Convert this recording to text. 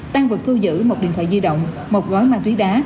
tăng vật thu giữ một điện thoại di động một gói ma túy đá